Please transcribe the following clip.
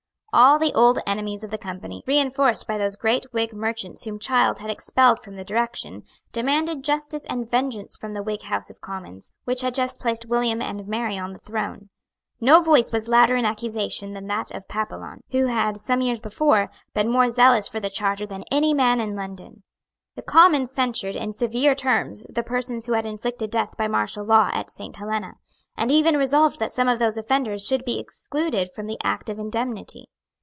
All the old enemies of the Company, reinforced by those great Whig merchants whom Child had expelled from the direction, demanded justice and vengeance from the Whig House of Commons, which had just placed William and Mary on the throne. No voice was louder in accusation than that of Papillon, who had, some years before, been more zealous for the charter than any man in London. The Commons censured in severe terms the persons who had inflicted death by martial law at Saint Helena, and even resolved that some of those offenders should be excluded from the Act of Indemnity.